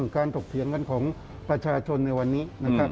ของประชาชนในวันนี้นะครับ